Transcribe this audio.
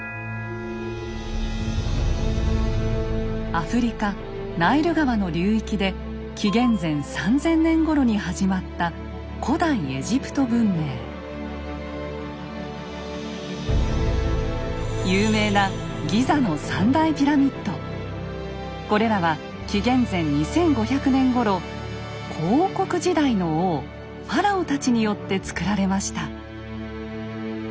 アフリカナイル川の流域で紀元前３０００年ごろに始まった有名なこれらは紀元前２５００年ごろ古王国時代の王ファラオたちによってつくられました。